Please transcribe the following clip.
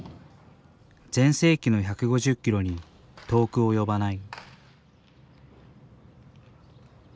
全盛期の１５０キロに遠く及ばない。